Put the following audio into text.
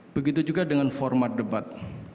begitu juga dengan format debat